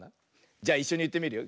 じゃいっしょにいってみるよ。